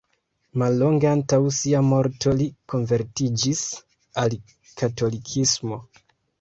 Mallonge antaŭ sia morto li konvertiĝis al katolikismo.